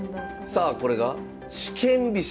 さあこれが四間飛車。